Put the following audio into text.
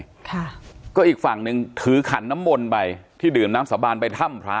ค่ะก็อีกฝั่งหนึ่งถือขันน้ำมนต์ไปที่ดื่มน้ำสาบานไปถ้ำพระ